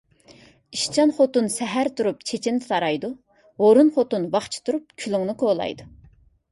ئىشچان خوتۇن سەھەر تۇرۇپ چېچىنى تارايدۇ، ھۇرۇن خوتۇن ۋاقچە تۇرۇپ كۈلۈڭنى كولايدۇ.